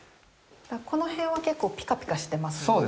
この辺は結構ピカピカしてますもんね。